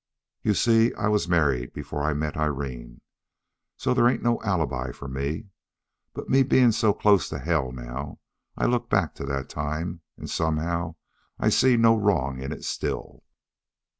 "You see, I was married before I met Irene. So there ain't no alibi for me. But me being so close to hell now, I look back to that time, and somehow I see no wrong in it still.